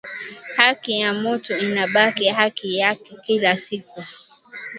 Haki ya mutu inabaki haki yake kila siku